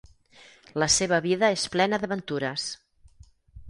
La seva vida és plena d'aventures.